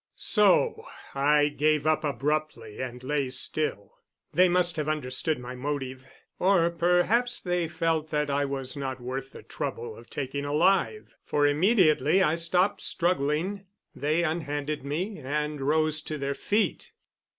So I gave up abruptly and lay still. They must have understood my motive or perhaps they felt that I was not worth the trouble of taking alive for immediately I stopped struggling they unhanded me and rose to their feet.